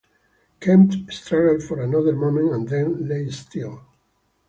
Kemp struggled for another moment and then lay still.